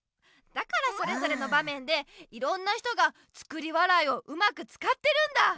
だからそれぞれのばめんでいろんな人が「作り笑い」をうまくつかってるんだ！